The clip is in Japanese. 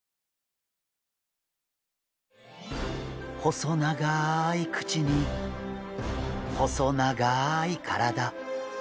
細長い口に細長い体。